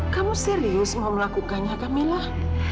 kamu serius mau melakukannya kamilah